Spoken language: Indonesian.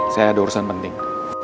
saya ada urusan penting